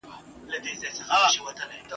جګړه له ډېر وخت راهیسي روانه ده.